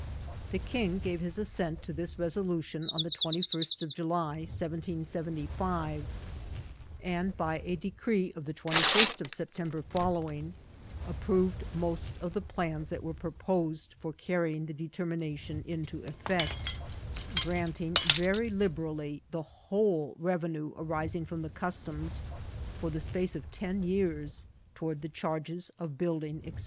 The king gave his assent to this resolution on the 2l8tof July, 1775 ; and, by a decree of the 21st of September following, approved most of the plans that were proposed for carrying the determination into ef fect ; granting very liberally the whole revenue arising from the customs, for the space of ten years, toward the charges of building, &c.